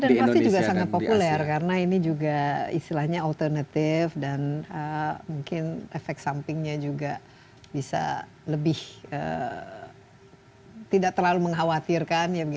pasti juga sangat populer karena ini juga istilahnya alternatif dan mungkin efek sampingnya juga bisa lebih tidak terlalu mengkhawatirkan